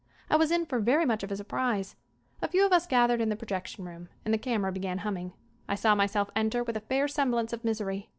I was in for very much of a surprise. A few of us gathered in the projection room and the camera began humming. I saw myself enter with a fair semblance of misery.